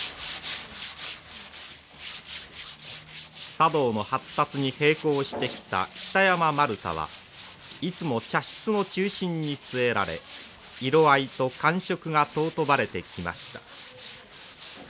茶道の発達に並行してきた北山丸太はいつも茶室の中心に据えられ色合いと感触が尊ばれてきました。